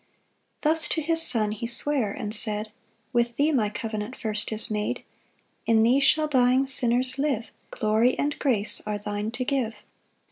2 Thus to his Son he sware, and said, "With thee my covenant first is made; "In thee shall dying sinners live, "Glory and grace are thine to give.